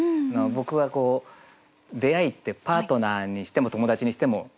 僕は出会いってパートナーにしても友達にしても